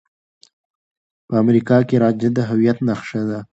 په امريکا کې رانجه د هويت نښه ده.